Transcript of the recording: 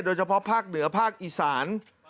โดยเฉพาะภาคเหนือภาคอีสาน